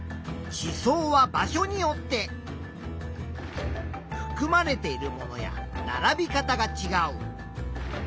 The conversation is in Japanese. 地層は場所によってふくまれているものやならび方がちがう。